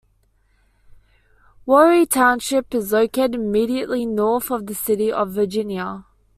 Wuori Township is located immediately north of the city of Virginia.